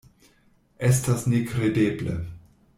Estas nekredeble.